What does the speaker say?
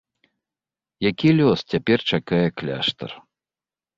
Які лёс цяпер чакае кляштар?